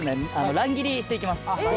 乱切りしていきます